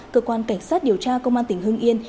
cơ quan cảnh sát điều tra công an tỉnh hưng yên